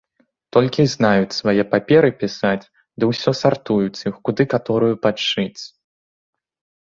Толькі й знаюць свае паперы пісаць ды ўсё сартуюць іх, куды каторую падшыць.